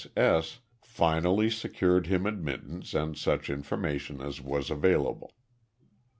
S. S. S." finally secured him admittance and such information as was available.